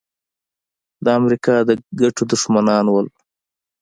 د امریکا د ګټو دښمنان وو.